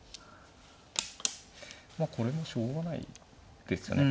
まあこれもしょうがないですよね。